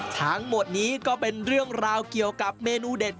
ทั้งหมดนี้ก็เป็นเรื่องราวเกี่ยวกับเมนูเด็ด